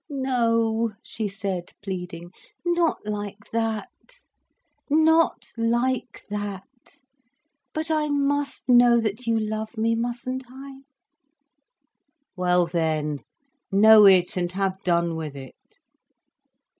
'" "No," she said, pleading, "not like that. Not like that. But I must know that you love me, mustn't I?" "Well then, know it and have done with it."